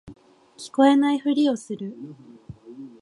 聞こえないふりをする